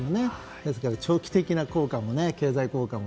ですから、長期的な経済効果も